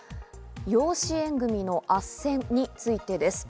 養子縁組のあっせんについてです。